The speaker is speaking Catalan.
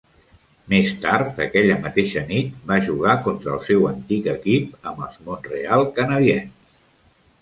Més tard aquella mateixa nit, va jugar contra el seu antic equip amb els Montreal Canadiens.